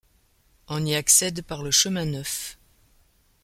On y accède par le Chemin Neuf.